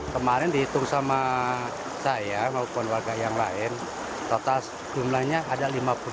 kemarin dihitung sama saya maupun warga yang lain total jumlahnya ada lima puluh delapan